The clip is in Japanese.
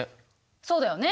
そうだよね。